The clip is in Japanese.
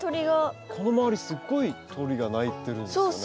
この周りすごい鳥が鳴いてるんですよね。